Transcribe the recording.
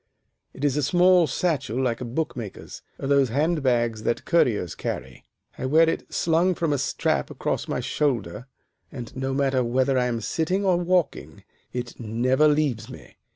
It is a small satchel like a bookmaker's, or those hand bags that couriers carry. I wear it slung from a strap across my shoulder, and, no matter whether I am sitting or walking, it never leaves me.